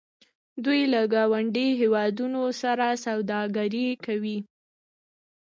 دوی له ګاونډیو هیوادونو سره سوداګري کوي.